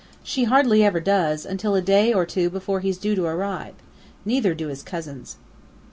She hardly ever does until a day or two before he's due to arrive; neither do his cousins."